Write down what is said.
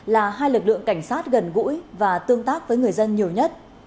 là hai lực lượng cảnh sát gần gũi và tương tác với người dân nhiều nhất